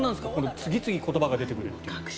次々と言葉が出てくるという。